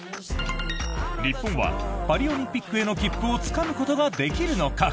日本はパリオリンピックへの切符をつかむことができるのか？